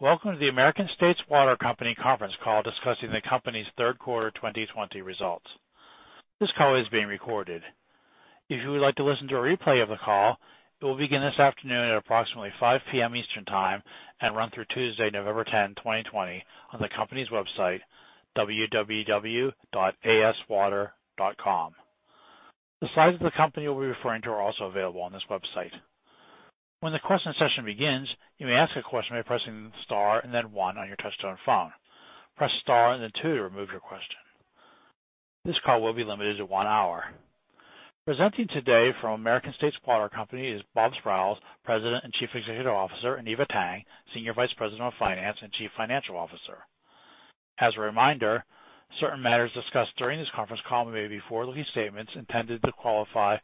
Welcome to the American States Water Company conference call discussing the company's third quarter 2020 results. This call is being recorded. If you would like to listen to a replay of the call, it will begin this afternoon at approximately 5:00 P.M. Eastern Time and run through Tuesday, November 10, 2020, on the company's website, www.aswater.com. The slides that the company will be referring to are also available on this website. This call will be limited to one hour. Presenting today from American States Water Company is Robert Sprowls, President and Chief Executive Officer, and Eva Tang, Senior Vice President of Finance and Chief Financial Officer. As a reminder, certain matters discussed during this conference call may be forward-looking statements intended to qualify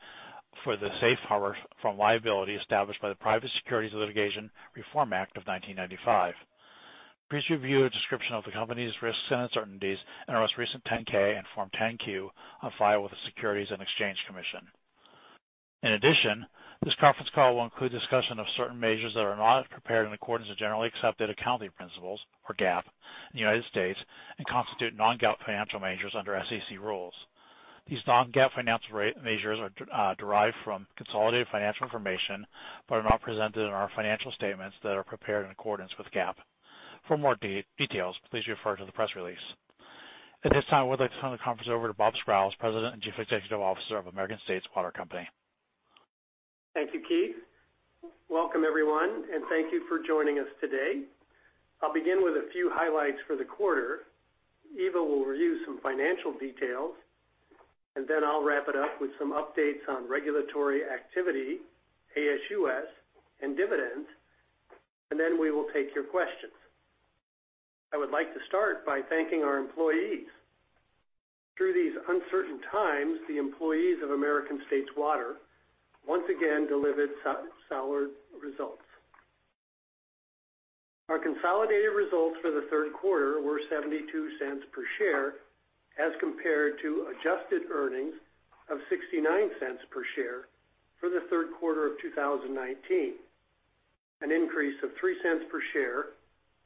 for the safe harbor from liability established by the Private Securities Litigation Reform Act of 1995. Please review a description of the company's risks and uncertainties in our most recent 10-K and Form 10-Q on file with the Securities and Exchange Commission. In addition, this conference call will include discussion of certain measures that are not prepared in accordance with generally accepted accounting principles, or GAAP, in the United States and constitute non-GAAP financial measures under SEC rules. These non-GAAP financial measures are derived from consolidated financial information but are not presented in our financial statements that are prepared in accordance with GAAP. For more details, please refer to the press release. At this time, I would like to turn the conference over to Robert Sprowls, President and Chief Executive Officer of American States Water Company. Thank you, Keith. Welcome, everyone, and thank you for joining us today. I'll begin with a few highlights for the quarter. Eva will review some financial details, and then I'll wrap it up with some updates on regulatory activity, ASUS, and dividends, and then we will take your questions. I would like to start by thanking our employees. Through these uncertain times, the employees of American States Water once again delivered solid results. Our consolidated results for the third quarter were $0.72 per share as compared to adjusted earnings of $0.69 per share for the third quarter of 2019, an increase of $0.03 per share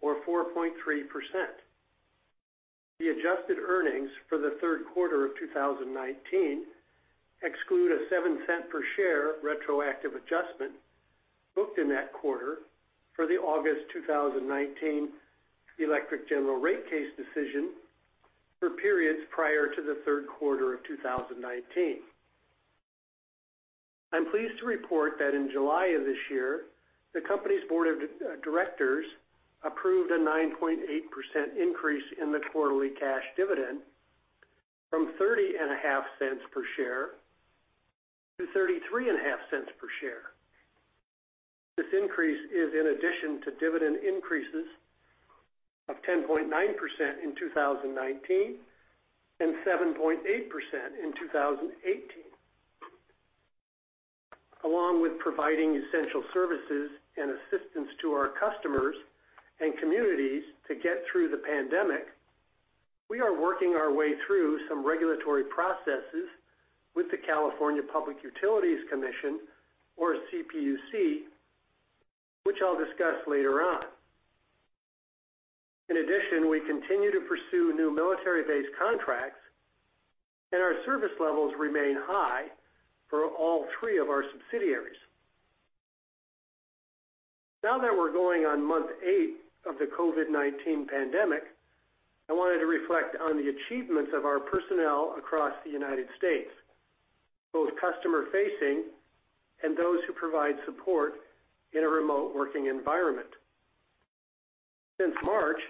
or 4.3%. The adjusted earnings for the third quarter of 2019 exclude a $0.07 per share retroactive adjustment booked in that quarter for the August 2019 electric general rate case decision for periods prior to the third quarter of 2019. I'm pleased to report that in July of this year, the company's board of directors approved a 9.8% increase in the quarterly cash dividend from $0.305 per share to $0.335 per share. This increase is in addition to dividend increases of 10.9% in 2019 and 7.8% in 2018. Along with providing essential services and assistance to our customers and communities to get through the pandemic, we are working our way through some regulatory processes with the California Public Utilities Commission, or CPUC, which I'll discuss later on. In addition, we continue to pursue new military base contracts, and our service levels remain high for all three of our subsidiaries. Now that we're going on month eight of the COVID-19 pandemic, I wanted to reflect on the achievements of our personnel across the United States, both customer facing and those who provide support in a remote working environment. Since March,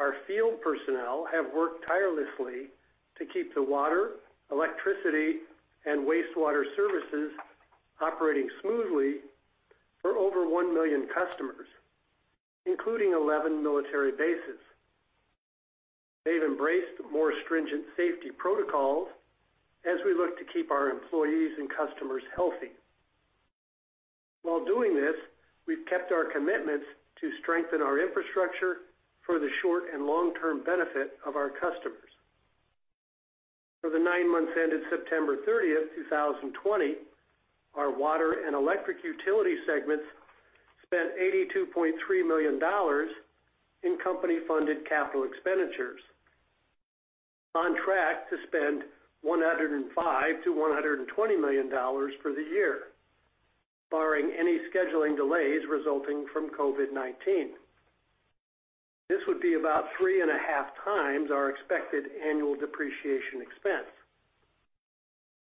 our field personnel have worked tirelessly to keep the water, electricity, and wastewater services operating smoothly for over 1 million customers, including 11 military bases. They've embraced more stringent safety protocols as we look to keep our employees and customers healthy. While doing this, we've kept our commitments to strengthen our infrastructure for the short and long-term benefit of our customers. For the nine months ended September 30th, 2020, our water and electric utility segments spent $82.3 million in company-funded capital expenditures, on track to spend $105 million-$120 million for the year, barring any scheduling delays resulting from COVID-19. This would be about three and a half times our expected annual depreciation expense.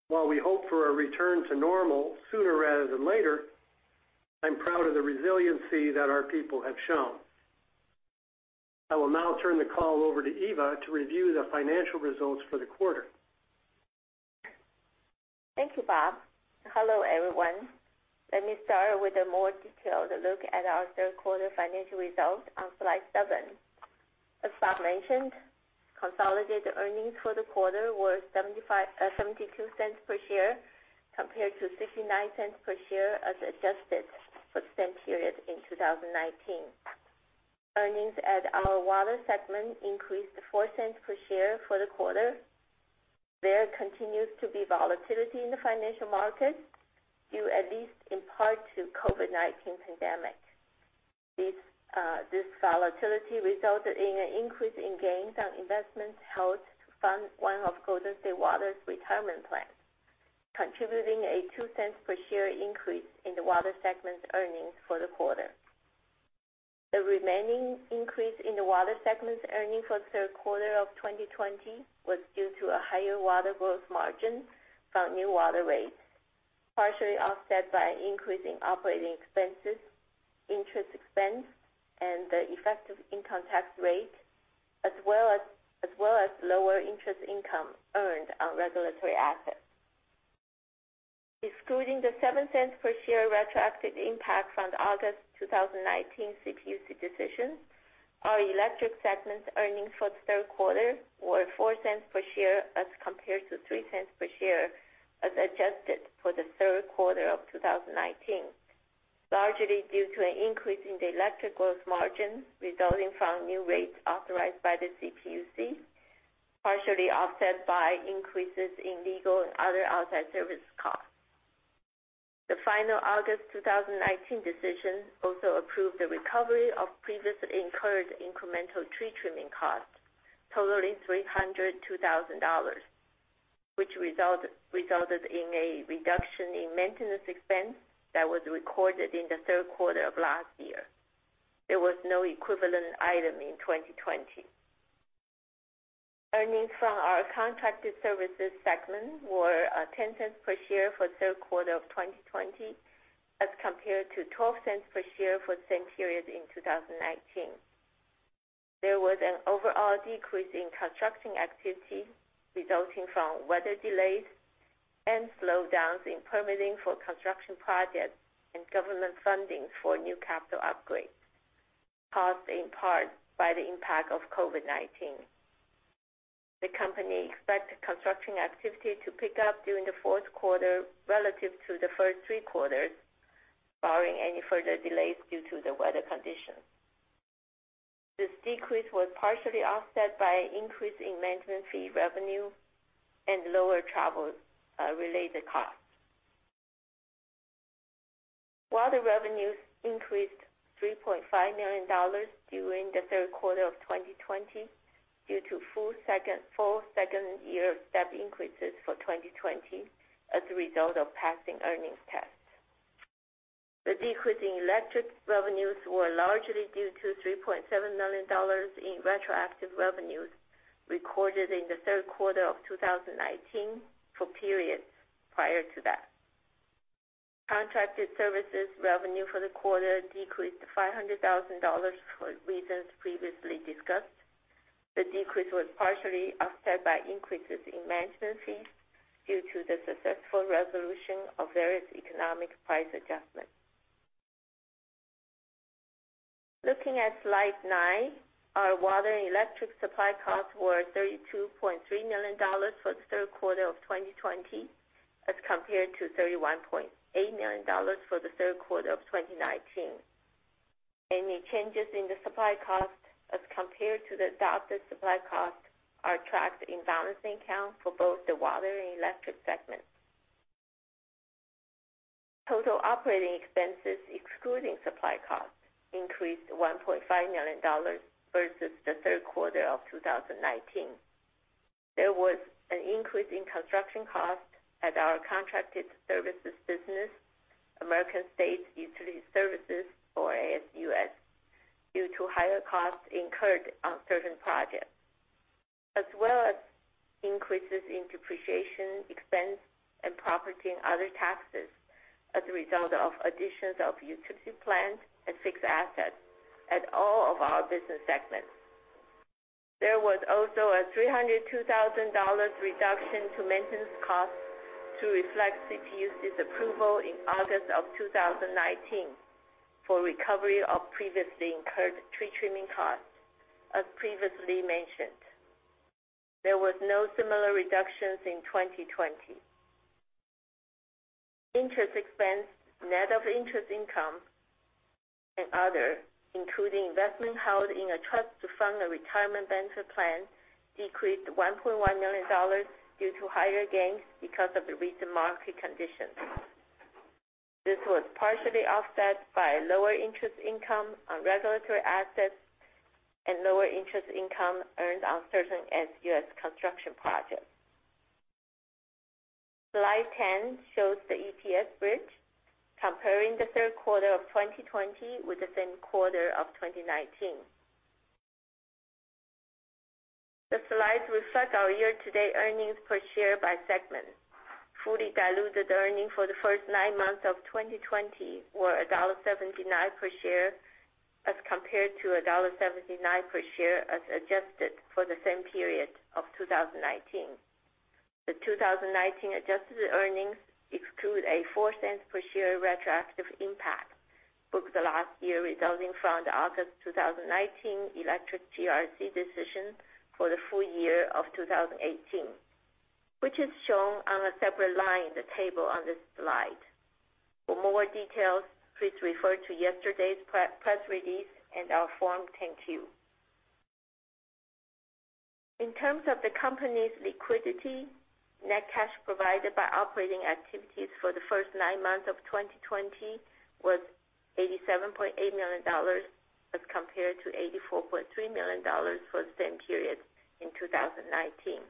While we hope for a return to normal sooner rather than later, I'm proud of the resiliency that our people have shown. I will now turn the call over to Eva to review the financial results for the quarter. Thank you, Rob. Hello, everyone. Let me start with a more detailed look at our third quarter financial results on slide seven. As Rob mentioned, consolidated earnings for the quarter were $0.72 per share compared to $0.69 per share as adjusted for the same period in 2019. Earnings at our water segment increased $0.04 per share for the quarter. There continues to be volatility in the financial markets, due at least in part to COVID-19 pandemic. This volatility resulted in an increase in gains on investments held to fund one of Golden State Water's retirement plans, contributing a $0.02 per share increase in the water segment's earnings for the quarter. The remaining increase in the water segment's earnings for the third quarter of 2020 was due to a higher water gross margin from new water rates, partially offset by an increase in operating expenses, interest expense, and the effective income tax rate, as well as lower interest income earned on regulatory assets. Excluding the $0.07 per share retroactive impact from the August 2019 CPUC decision, our electric segment's earnings for the third quarter were $0.04 per share as compared to $0.03 per share as adjusted for the third quarter of 2019, largely due to an increase in the electric gross margin resulting from new rates authorized by the CPUC, partially offset by increases in legal and other outside service costs. The final August 2019 decision also approved the recovery of previously incurred incremental tree trimming costs totaling $302,000, which resulted in a reduction in maintenance expense that was recorded in the third quarter of last year. There was no equivalent item in 2020. Earnings from our contracted services segment were $0.10 per share for the third quarter of 2020 as compared to $0.12 per share for the same period in 2019. There was an overall decrease in construction activity resulting from weather delays and slowdowns in permitting for construction projects and government funding for new capital upgrades, caused in part by the impact of COVID-19. The company expects construction activity to pick up during the fourth quarter relative to the first three quarters, barring any further delays due to the weather conditions. This decrease was partially offset by an increase in management fee revenue and lower travel-related costs. Water revenues increased $3.5 million during the third quarter of 2020 due to full second-year step increases for 2020 as a result of passing earnings tests. The decrease in electric revenues were largely due to $3.7 million in retroactive revenues recorded in the third quarter of 2019 for periods prior to that. Contracted services revenue for the quarter decreased by $500,000 for reasons previously discussed. The decrease was partially offset by increases in management fees due to the successful resolution of various economic price adjustments. Looking at slide nine, our water and electric supply costs were $32.3 million for the third quarter of 2020 as compared to $31.8 million for the third quarter of 2019. Any changes in the supply cost as compared to the adopted supply cost are tracked in balancing account for both the water and electric segments. Total operating expenses excluding supply costs increased $1.5 million versus the third quarter of 2019. There was an increase in construction cost at our contracted services business, American States Utility Services, or ASUS, due to higher costs incurred on certain projects, as well as increases in depreciation expense and property and other taxes as a result of additions of utility plants and fixed assets at all of our business segments. There was also a $302,000 reduction to maintenance costs to reflect CPUC's approval in August of 2019 for recovery of previously incurred tree trimming costs, as previously mentioned. There was no similar reductions in 2020. Interest expense, net of interest income and other, including investment held in a trust to fund a retirement benefit plan, decreased $1.1 million due to higher gains because of the recent market conditions. This was partially offset by lower interest income on regulatory assets and lower interest income earned on certain ASUS construction projects. Slide 10 shows the EPS bridge comparing the third quarter of 2020 with the same quarter of 2019. The slides reflect our year-to-date earnings per share by segment. Fully diluted earnings for the first nine months of 2020 were $1.79 per share as compared to $1.79 per share as adjusted for the same period of 2019. The 2019 adjusted earnings exclude a $0.04 per share retroactive impact booked last year resulting from the August 2019 electric GRC decision for the full year of 2018, which is shown on a separate line in the table on this slide. For more details, please refer to yesterday's press release and our Form 10-Q. In terms of the company's liquidity, net cash provided by operating activities for the first nine months of 2020 was $87.8 million as compared to $84.3 million for the same period in 2019.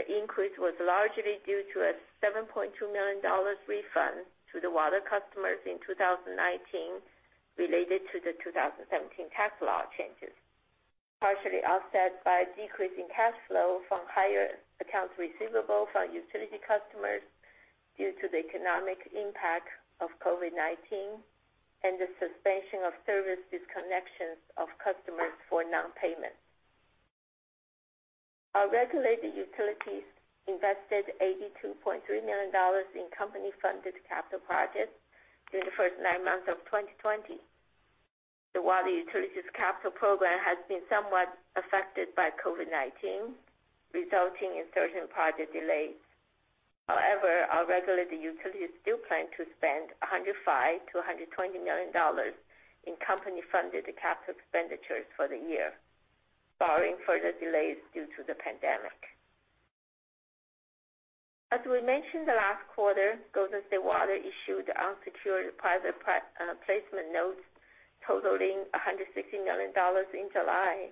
The increase was largely due to a $7.2 million refund to the water customers in 2019 related to the 2017 tax law changes, partially offset by a decrease in cash flow from higher accounts receivable from utility customers due to the economic impact of COVID-19 and the suspension of service disconnections of customers for non-payment. Our regulated utilities invested $82.3 million in company-funded capital projects during the first nine months of 2020. The Water Utilities capital program has been somewhat affected by COVID-19, resulting in certain project delays. However, our regulated utilities still plan to spend $105 million-$120 million in company-funded capital expenditures for the year, barring further delays due to the pandemic. As we mentioned the last quarter, Golden State Water issued unsecured private placement notes totaling $160 million in July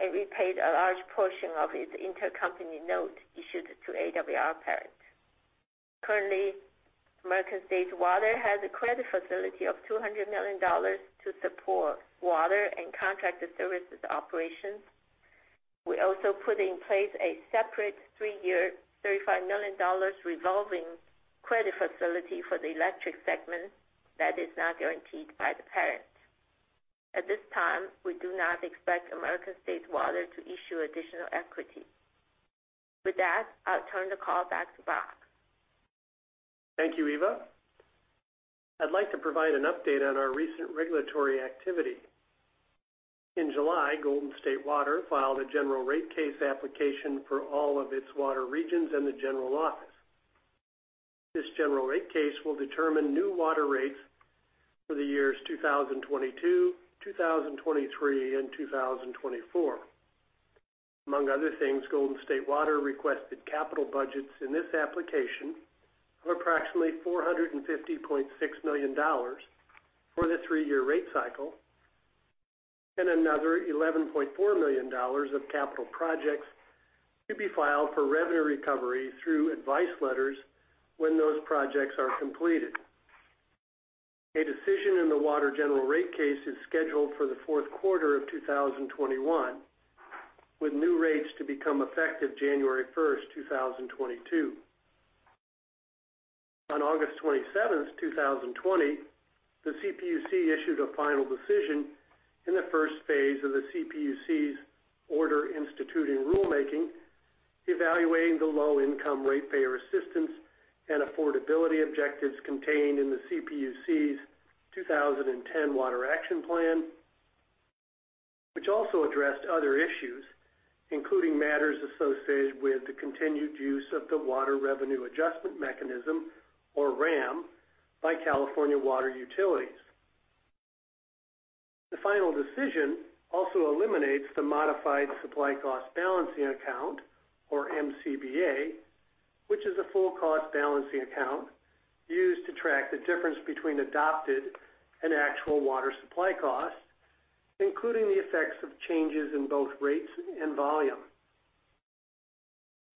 and repaid a large portion of its intercompany note issued to AWR Parent. Currently, American States Water has a credit facility of $200 million to support water and contracted services operations. We also put in place a separate three-year, $35 million revolving credit facility for the electric segment that is not guaranteed by the parent. At this time, we do not expect American States Water to issue additional equity. With that, I'll turn the call back to Rob. Thank you, Eva. I'd like to provide an update on our recent regulatory activity. In July, Golden State Water filed a general rate case application for all of its water regions and the general office. This general rate case will determine new water rates for the years 2022, 2023, and 2024. Among other things, Golden State Water requested capital budgets in this application of approximately $450.6 million for the three-year rate cycle, and another $11.4 million of capital projects to be filed for revenue recovery through advice letters when those projects are completed. A decision in the water general rate case is scheduled for the fourth quarter of 2021, with new rates to become effective January 1st, 2022. On August 27th, 2020, the CPUC issued a final decision in the first phase of the CPUC's order instituting rulemaking, evaluating the low-income ratepayer assistance and affordability objectives contained in the CPUC's 2010 Water Action Plan, which also addressed other issues, including matters associated with the continued use of the Water Revenue Adjustment Mechanism, or RAM, by California Water Utilities. The final decision also eliminates the Modified Cost Balancing Account, or MCBA, which is a full cost balancing account used to track the difference between adopted and actual water supply costs, including the effects of changes in both rates and volume.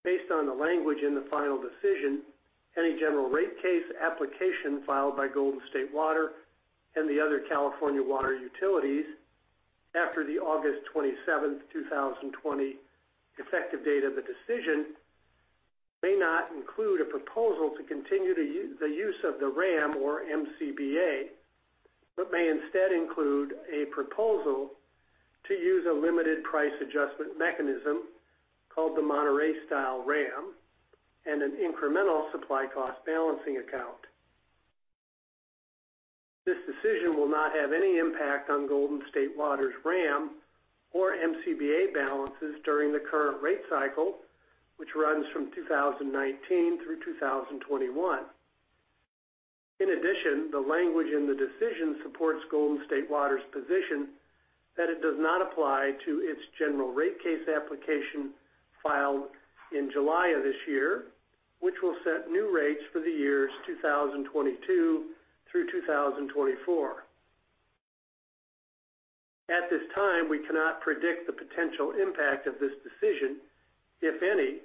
Based on the language in the final decision, any general rate case application filed by Golden State Water and the other California water utilities after the August 27th, 2020 effective date of the decision may not include a proposal to continue the use of the RAM or MCBA, but may instead include a proposal to use a limited price adjustment mechanism called the Monterey-style RAM and an incremental supply cost balancing account. This decision will not have any impact on Golden State Water's RAM or MCBA balances during the current rate cycle, which runs from 2019 through 2021. In addition, the language in the decision supports Golden State Water's position that it does not apply to its general rate case application filed in July of this year, which will set new rates for the years 2022 through 2024. At this time, we cannot predict the potential impact of this decision, if any,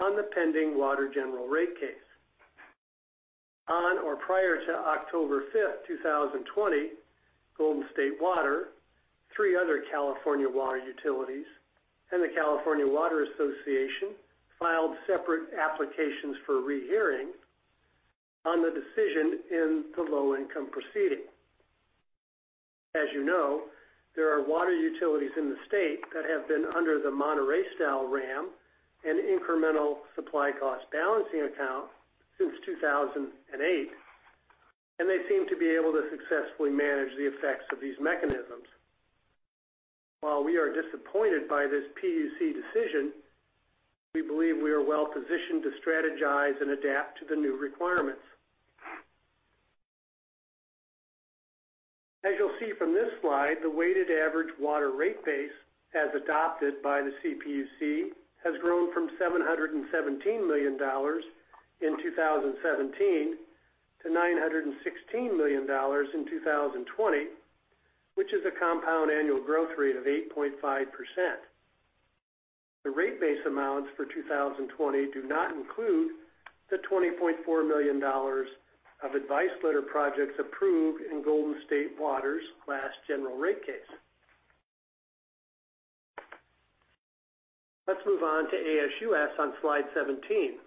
on the pending water general rate case. On or prior to October 5th, 2020, Golden State Water, three other California water utilities, and the California Water Association filed separate applications for rehearing on the decision in the low-income proceeding. As you know, there are water utilities in the state that have been under the Monterey-style RAM and Modified Cost Balancing Account since 2008, and they seem to be able to successfully manage the effects of these mechanisms. While we are disappointed by this CPUC decision, we believe we are well positioned to strategize and adapt to the new requirements. As you'll see from this slide, the weighted average water rate base, as adopted by the CPUC, has grown from $717 million in 2017 to $916 million in 2020, which is a compound annual growth rate of 8.5%. The rate base amounts for 2020 do not include the $20.4 million of advice letter projects approved in Golden State Water's last general rate case. Let's move on to ASUS on slide 17.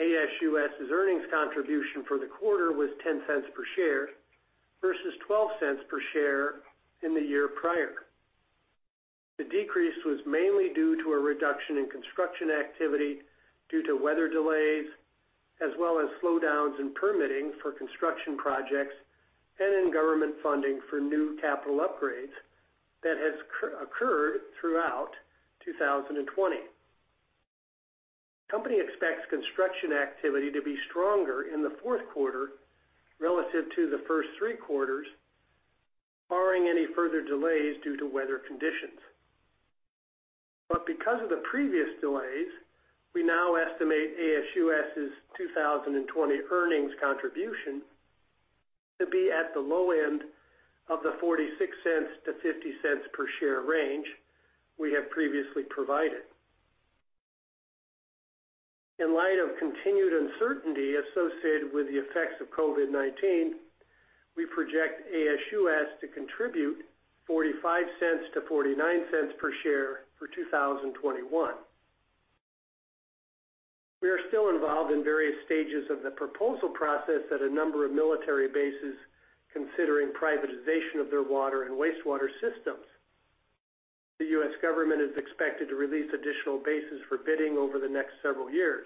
ASUS's earnings contribution for the quarter was $0.10 per share versus $0.12 per share in the year prior. The decrease was mainly due to a reduction in construction activity due to weather delays, as well as slowdowns in permitting for construction projects and in government funding for new capital upgrades that has occurred throughout 2020. Company expects construction activity to be stronger in the fourth quarter relative to the first three quarters, barring any further delays due to weather conditions. Because of the previous delays, we now estimate ASUS's 2020 earnings contribution to be at the low end of the $0.46-$0.50 per share range we have previously provided. In light of continued uncertainty associated with the effects of COVID-19, we project ASUS to contribute $0.45-$0.49 per share for 2021. We are still involved in various stages of the proposal process at a number of military bases considering privatization of their water and wastewater systems. The U.S. government is expected to release additional bases for bidding over the next several years.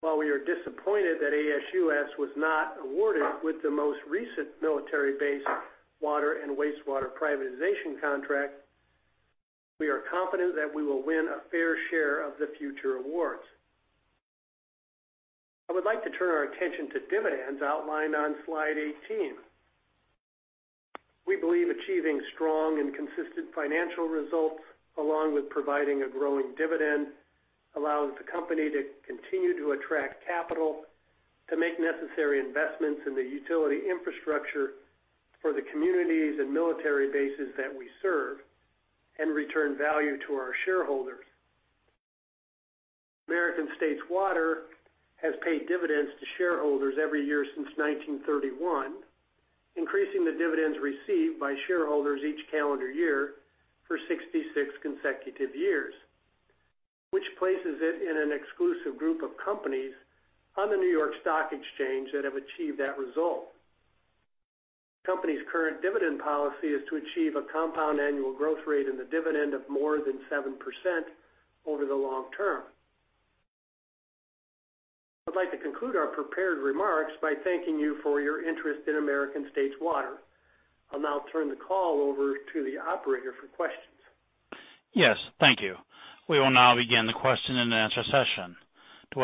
While we are disappointed that ASUS was not awarded with the most recent military base water and wastewater privatization contract, we are confident that we will win a fair share of the future awards. I would like to turn our attention to dividends outlined on slide 18. We believe achieving strong and consistent financial results, along with providing a growing dividend, allows the company to continue to attract capital to make necessary investments in the utility infrastructure for the communities and military bases that we serve and return value to our shareholders. American States Water has paid dividends to shareholders every year since 1931, increasing the dividends received by shareholders each calendar year for 66 consecutive years, which places it in an exclusive group of companies on the New York Stock Exchange that have achieved that result. Company's current dividend policy is to achieve a compound annual growth rate in the dividend of more than 7% over the long term. I'd like to conclude our prepared remarks by thanking you for your interest in American States Water. I'll now turn the call over to the operator for questions. Yes. Thank you. We will now begin the question and answer session. At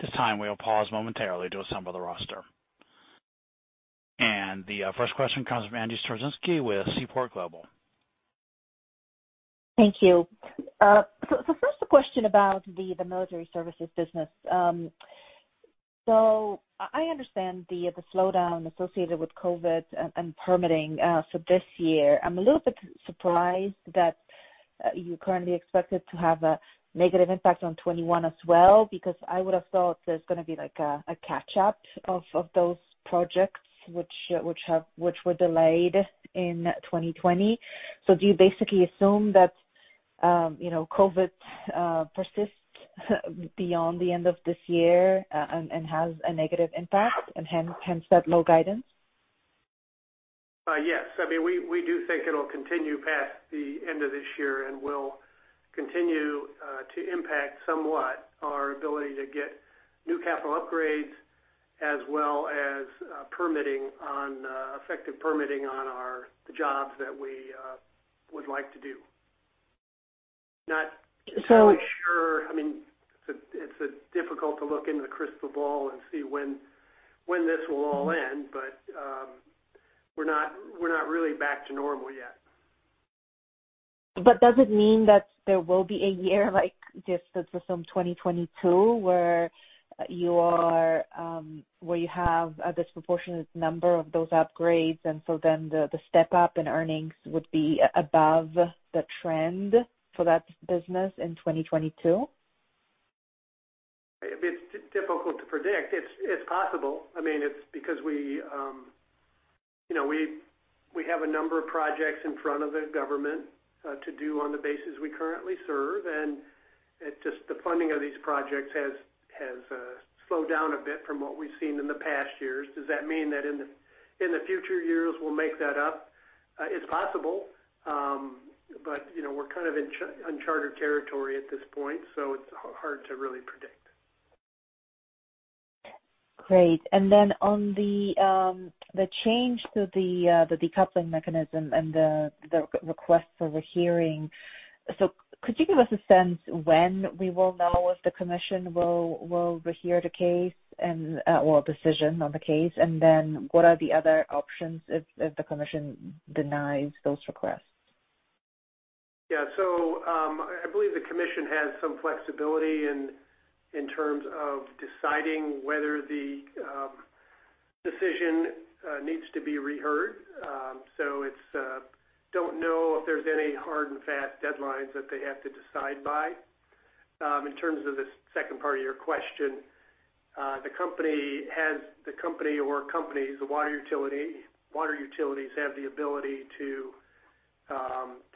this time, we will pause momentarily to assemble the roster. The first question comes from Angie Storozynski with Seaport Global. Thank you. First, a question about the military services business. I understand the slowdown associated with COVID and permitting for this year. I'm a little bit surprised that you currently expect it to have a negative impact on 2021 as well, because I would have thought there's going to be a catch-up of those projects which were delayed in 2020. Do you basically assume that COVID persists beyond the end of this year and has a negative impact and hence that low guidance? Yes. We do think it'll continue past the end of this year and will continue to impact somewhat our ability to get new capital upgrades as well as effective permitting on the jobs that we would like to do. Not really sure. It's difficult to look into the crystal ball and see when this will all end, but we're not really back to normal yet. Does it mean that there will be a year like this, let's assume 2022, where you have a disproportionate number of those upgrades, and so then the step-up in earnings would be above the trend for that business in 2022? It's difficult to predict. It's possible. We have a number of projects in front of the government to do on the bases we currently serve, and the funding of these projects has slowed down a bit from what we've seen in the past years. Does that mean that in the future years, we'll make that up? It's possible. We're in uncharted territory at this point, so it's hard to really predict. Great. On the change to the decoupling mechanism and the request for rehearing. Could you give us a sense when we will know if the Commission will rehear the case and what decision on the case, and then what are the other options if the Commission denies those requests? Yeah. I believe the commission has some flexibility in terms of deciding whether the decision needs to be reheard. Don't know if there's any hard and fast deadlines that they have to decide by. In terms of the second part of your question, the company or companies, the water utilities, have the ability to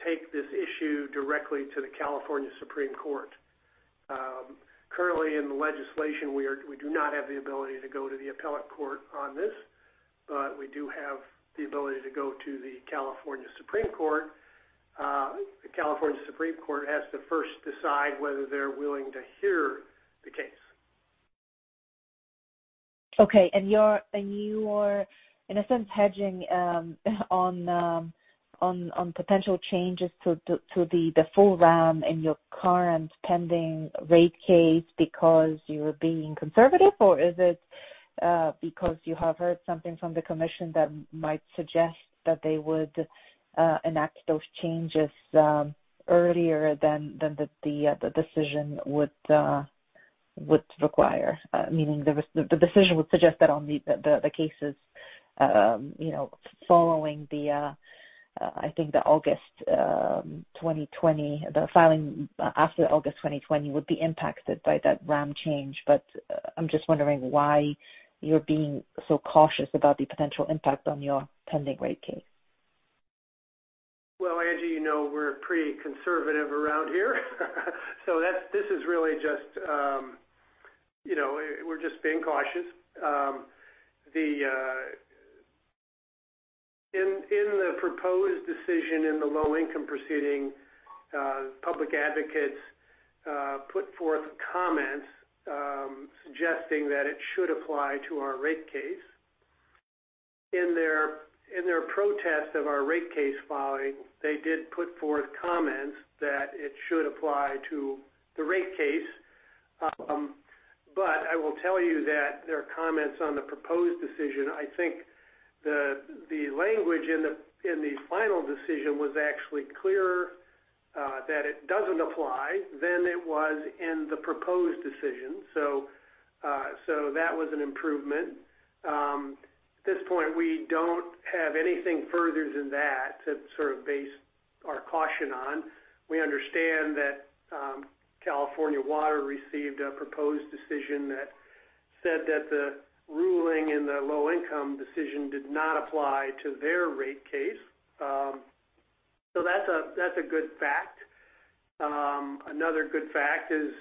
take this issue directly to the Supreme Court of California. Currently in the legislation, we do not have the ability to go to the appellate court on this, but we do have the ability to go to the Supreme Court of California. The Supreme Court of California has to first decide whether they're willing to hear the case. Okay. You are, in a sense, hedging on potential changes to the full RAM in your current pending rate case because you're being conservative? Is it because you have heard something from the commission that might suggest that they would enact those changes earlier than the decision would require? Meaning the decision would suggest that on the cases following I think the filing after August 2020 would be impacted by that RAM change. I'm just wondering why you're being so cautious about the potential impact on your pending rate case. Well, Angie, you know we're pretty conservative around here. We're just being cautious. In the proposed decision in the low-income proceeding, Public Advocates Office put forth comments suggesting that it should apply to our rate case. In their protest of our rate case filing, they did put forth comments that it should apply to the rate case. I will tell you that their comments on the proposed decision, I think the language in the final decision was actually clearer that it doesn't apply than it was in the proposed decision. That was an improvement. At this point, we don't have anything further than that to sort of base our caution on. We understand that California Water Service received a proposed decision that said that the ruling in the low-income decision did not apply to their rate case. That's a good fact. Another good fact is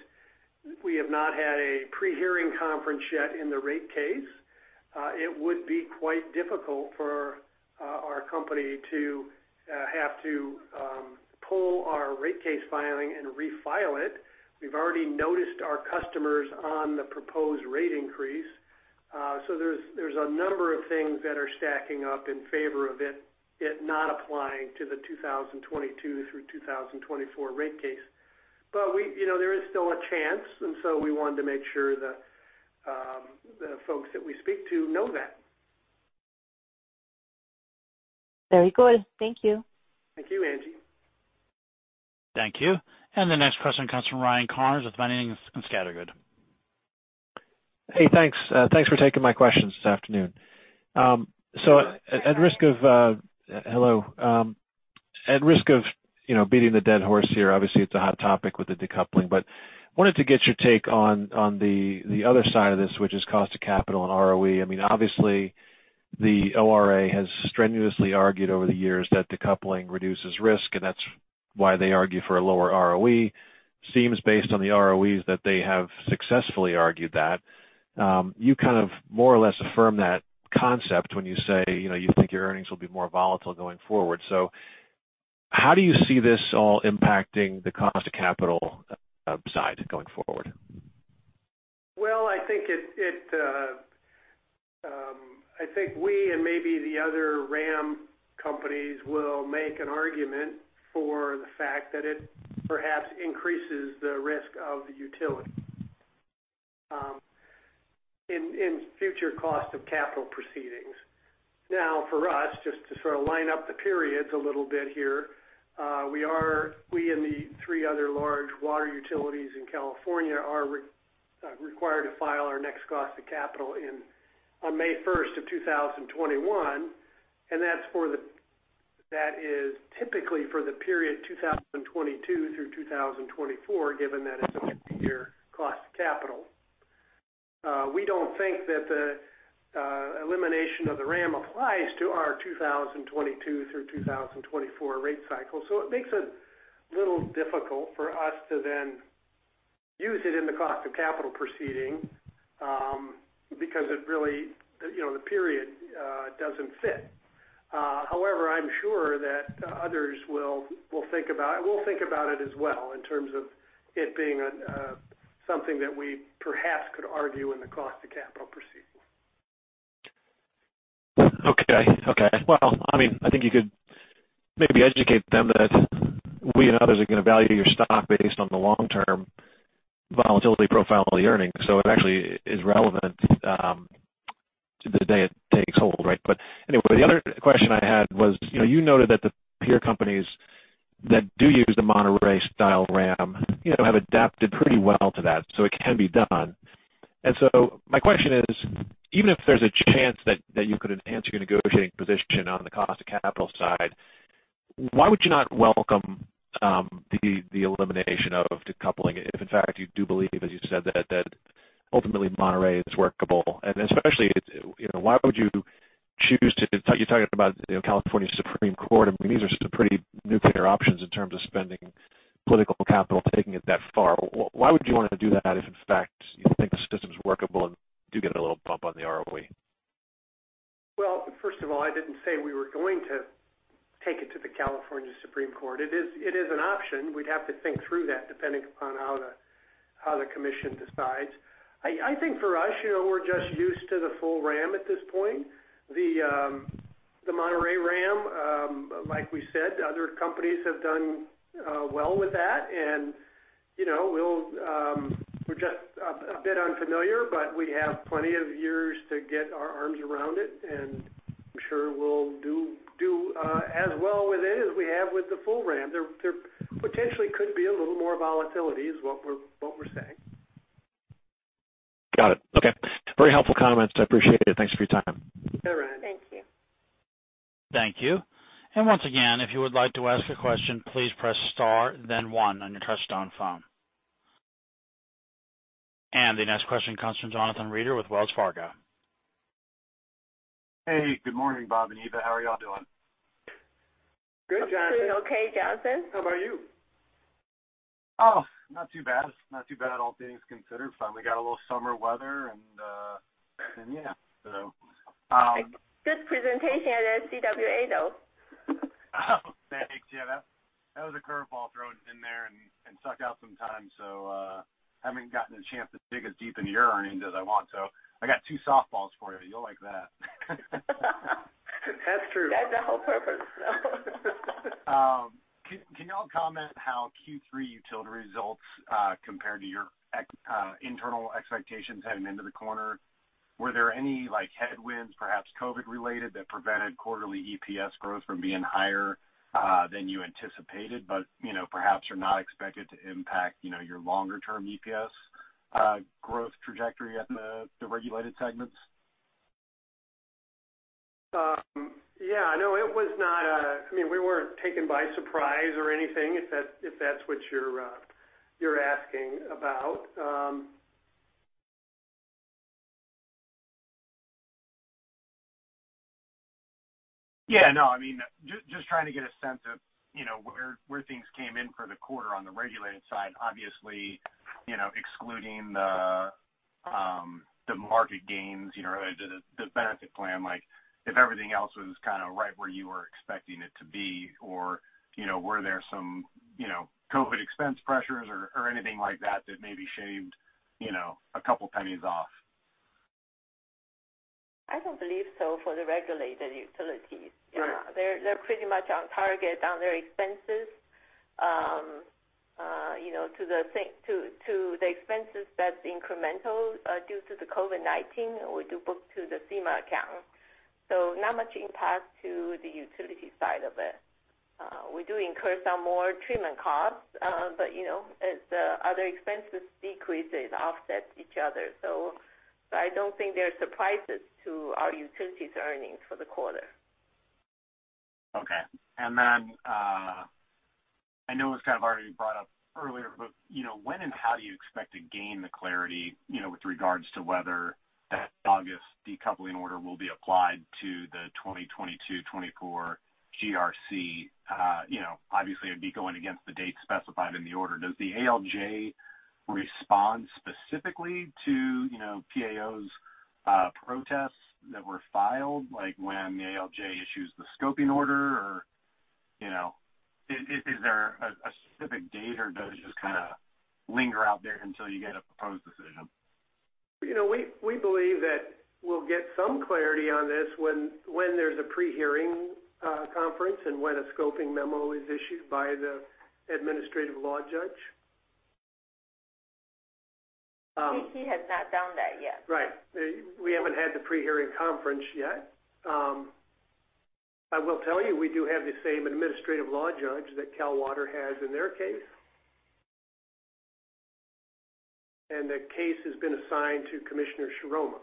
we have not had a pre-hearing conference yet in the rate case. It would be quite difficult for our company to have to pull our rate case filing and refile it. We've already noticed our customers on the proposed rate increase. There's a number of things that are stacking up in favor of it not applying to the 2022 through 2024 rate case. There is still a chance, and so we wanted to make sure that the folks that we speak to know that. Very good. Thank you. Thank you, Angie. Thank you. The next question comes from Ryan Connors with Boenning & Scattergood. Hey, thanks. Thanks for taking my questions this afternoon. You're welcome. Hello. At risk of beating a dead horse here, obviously it's a hot topic with the decoupling, but wanted to get your take on the other side of this, which is cost of capital and ROE. Obviously, the ORA has strenuously argued over the years that decoupling reduces risk, and that's why they argue for a lower ROE. Seems, based on the ROEs, that they have successfully argued that. You more or less affirm that concept when you say, you think your earnings will be more volatile going forward. How do you see this all impacting the cost of capital side going forward? Well, I think we, and maybe the other RAM companies, will make an argument for the fact that it perhaps increases the risk of the utility in future cost of capital proceedings. Now, for us, just to sort of line up the periods a little bit here, we and the three other large water utilities in California are required to file our next cost of capital on May 1st of 2021. That is typically for the period 2022 through 2024, given that it's a multi-year cost of capital. We don't think that the elimination of the RAM applies to our 2022 through 2024 rate cycle, so it makes it a little difficult for us to then use it in the cost of capital proceeding, because the period doesn't fit. However, I'm sure that others will think about it. We'll think about it as well, in terms of it being something that we perhaps could argue in the cost of capital proceeding. Well, I think you could maybe educate them that we and others are going to value your stock based on the long-term volatility profile of the earnings. It actually is relevant to the day it takes hold, right? Anyway, the other question I had was, you noted that the peer companies that do use the Monterey-style RAM have adapted pretty well to that, so it can be done. My question is, even if there's a chance that you could enhance your negotiating position on the cost of capital side, why would you not welcome the elimination of decoupling if in fact you do believe, as you said, that ultimately Monterey is workable? Especially, why would you choose to You're talking about California Supreme Court. I mean, these are some pretty nuclear options in terms of spending political capital, taking it that far. Why would you want to do that if, in fact, you think the system's workable and do get a little bump on the ROE? Well, first of all, I didn't say we were going to take it to the California Supreme Court. It is an option. We'd have to think through that depending upon how the Commission decides. I think for us, we're just used to the full RAM at this point. The Monterey RAM, like we said, other companies have done well with that, and we're just a bit unfamiliar, but we have plenty of years to get our arms around it, and I'm sure we'll do as well with it as we have with the full RAM. There potentially could be a little more volatility, is what we're saying. Got it. Okay. Very helpful comments. I appreciate it. Thanks for your time. All right. Thank you. Thank you. Once again, if you would like to ask a question, please press star then one on your touch-tone phone. The next question comes from Jonathan Reeder with Wells Fargo. Hey, good morning, Rob and Eva. How are y'all doing? Good, Jonathan. Doing okay, Jonathan. How about you? Oh, not too bad. Not too bad, all things considered. Finally got a little summer weather, and yeah. Good presentation at SCWA, though. Oh, thanks. Yeah, that was a curve ball thrown in there and suck out some time. Haven't gotten a chance to dig as deep into your earnings as I want. I got two softballs for you. You'll like that. That's true. That's the whole purpose. Can y'all comment how Q3 utility results compared to your internal expectations heading into the quarter? Were there any headwinds, perhaps COVID-19 related, that prevented quarterly EPS growth from being higher than you anticipated, but perhaps are not expected to impact your longer-term EPS growth trajectory in the regulated segments? Yeah. No, we weren't taken by surprise or anything, if that's what you're asking about. Yeah, no. Just trying to get a sense of where things came in for the quarter on the regulated side. Obviously, excluding the market gains, the benefit plan, if everything else was kind of right where you were expecting it to be, or were there some COVID expense pressures or anything like that maybe shaved a couple pennies off? I don't believe so for the regulated utilities. Right. They're pretty much on target on their expenses. To the expenses that's incremental due to the COVID-19, we do book to the FEMA account. Not much impact to the utility side of it. We do incur some more treatment costs, as the other expenses decreases, offset each other. I don't think there are surprises to our utilities earnings for the quarter. Okay. I know it was kind of already brought up earlier, but when and how do you expect to gain the clarity with regards to whether that August decoupling order will be applied to the 2022-24 GRC? Obviously, it'd be going against the date specified in the order. Does the ALJ respond specifically to PAO's protests that were filed, like when the ALJ issues the scoping order? Is there a specific date, or does it just kind of linger out there until you get a proposed decision? We believe that we'll get some clarity on this when there's a pre-hearing conference and when a scoping memo is issued by the administrative law judge. He has not done that yet. Right. We haven't had the pre-hearing conference yet. I will tell you, we do have the same administrative law judge that Cal Water has in their case. The case has been assigned to Commissioner Shiroma.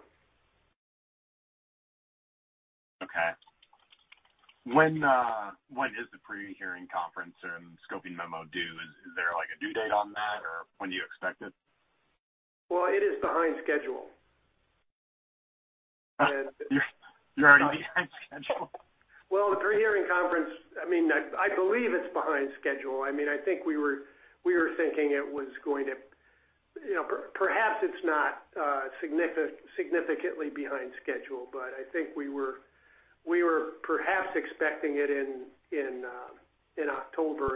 When is the pre-hearing conference and scoping memo due? Is there a due date on that, or when do you expect it? Well, it is behind schedule. You're already behind schedule? Well, the pre-hearing conference, I believe it's behind schedule. I think we were thinking it was going to perhaps it's not significantly behind schedule, but I think we were perhaps expecting it in October.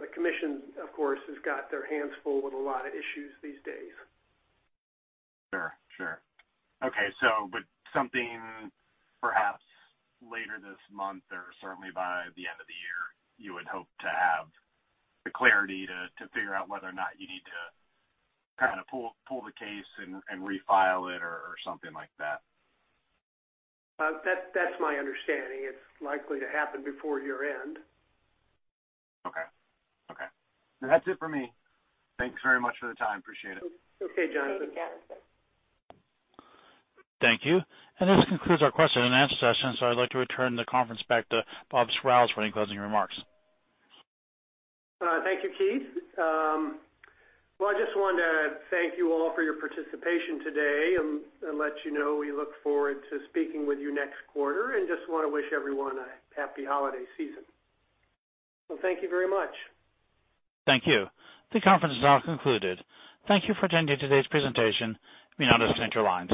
The Commission, of course, has got their hands full with a lot of issues these days. Sure. Okay. Something perhaps later this month or certainly by the end of the year, you would hope to have the clarity to figure out whether or not you need to kind of pull the case and refile it or something like that. That's my understanding. It's likely to happen before year-end. Okay. That's it for me. Thanks very much for the time. Appreciate it. Okay, Jonathan. Thank you, Jonathan. Thank you. This concludes our question and answer session. I'd like to return the conference back to Robert Sprowls for any closing remarks. Thank you, Keith. Well, I just wanted to thank you all for your participation today and let you know we look forward to speaking with you next quarter and just want to wish everyone a happy holiday season. Thank you very much. Thank you. The conference is now concluded. Thank you for attending today's presentation. You may now disconnect your lines.